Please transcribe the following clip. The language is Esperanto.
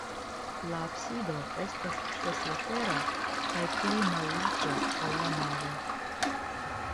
La absido estas seslatera kaj pli mallarĝa, ol la navo.